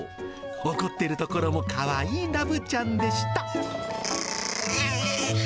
怒ってるところもかわいいラブちゃんでした。